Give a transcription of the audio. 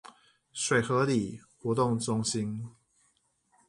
水河里活動中心